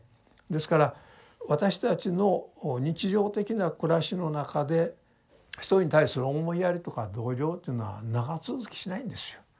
ですから私たちの日常的な暮らしの中で人に対する思いやりとか同情というのは長続きしないんですよ。